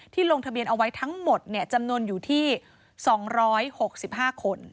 ลงทะเบียนเอาไว้ทั้งหมดจำนวนอยู่ที่๒๖๕คน